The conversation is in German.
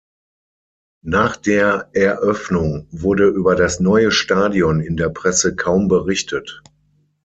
Nach der Eröffnung wurde über das neue Stadion in der Presse kaum berichtet.